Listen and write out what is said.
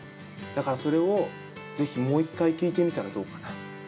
だから、それをもう一回聞いてみたらどうかな？